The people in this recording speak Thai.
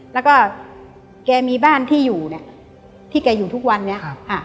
แล้วก็แกมีบ้านที่อยู่เนี่ยที่แกอยู่ทุกวันนี้